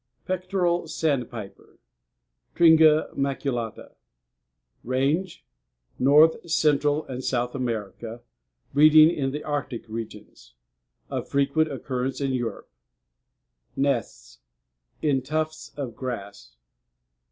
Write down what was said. Page 115. =PECTORAL SANDPIPER.= Tringa maculata. RANGE North, Central, and South America, breeding in the Arctic regions. Of frequent occurrence in Europe. NESTS In tufts of grass.